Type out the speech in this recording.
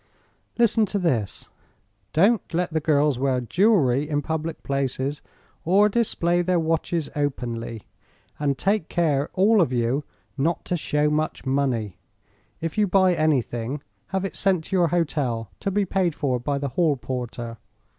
"Listen to this: 'Don't let the girls wear jewelry in public places, or display their watches openly; and take care, all of you, not to show much money. If you buy anything, have it sent to your hotel to be paid for by the hall porter.